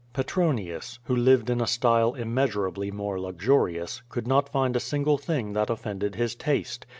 Petronius, who lived in a style immeasurably more luxur ious, could not find a single thing that offended his taste.